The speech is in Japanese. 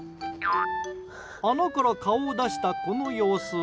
穴から顔を出した、この様子。